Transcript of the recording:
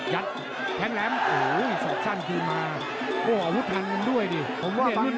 จรถน์ล้ำธรรมเยอะมาก